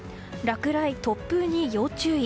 落雷・突風に要注意。